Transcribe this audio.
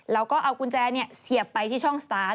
แล้วก็เอากุญแจเสียบไปที่ช่องสตาร์ท